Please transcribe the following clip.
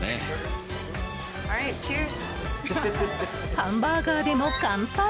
ハンバーガーでも乾杯！